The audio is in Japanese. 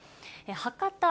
博多